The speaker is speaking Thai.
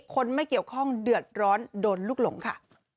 คนไม่เกี่ยวข้องเดือดร้อนโดนลูกหลงค่ะ